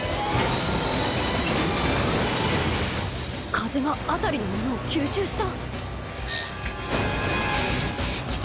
風が辺りのものを吸収した？